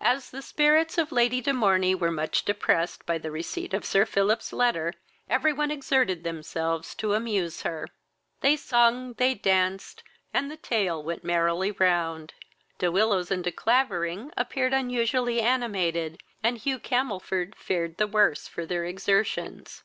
As the spirits of Lady de Morney were much depressed by the receipt of Sir Philip's letter, every one exerted themselves to amuse her. They sung, they danced, and the tale went merrily round. De Willows and De Clavering appeared unusually animated, and Hugh Camelford fared the worse for their exertions.